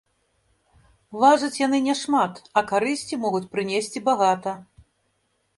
Важаць яны няшмат, а карысці могуць прынесці багата.